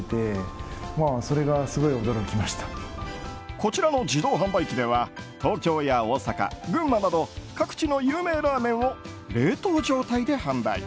こちらの自動販売機では東京や大阪、群馬など各地の有名ラーメンを冷凍状態で販売。